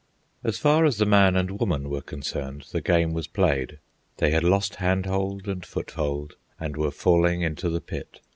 As far as the man and woman were concerned, the game was played. They had lost handhold and foothold, and were falling into the pit.